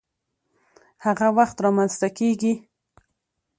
هغه وخت رامنځته کيږي،